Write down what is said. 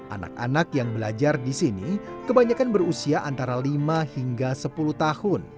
anak anak yang belajar di sini kebanyakan berusia antara lima hingga sepuluh tahun